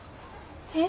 えっ。